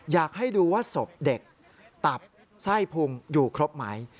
อยากให้ดูว่าศพเด็กตับไส้พุงอยู่ครบไหม